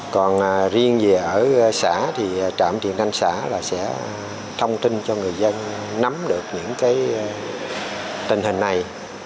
còn riêng về ở xã thì trạm tiền thanh xã là sẽ thông tin cho người dân nắm được những cái tình hình này